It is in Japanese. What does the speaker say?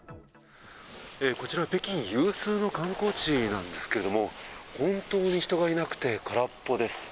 こちら、北京有数の観光地なんですけれども、本当に人がいなくて、空っぽです。